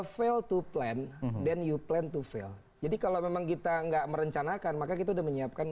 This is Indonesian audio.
feel to play and you play to feel jadi kalau memang kita enggak merencanakan maka kita sudah menyiapkan